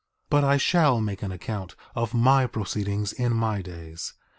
1:17 But I shall make an account of my proceedings in my days.